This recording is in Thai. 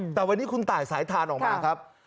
แต่วันนี้คุณตายสายทานออกมาครับ